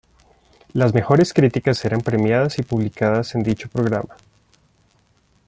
Las mejores críticas eran premiadas y publicadas en dicho programa.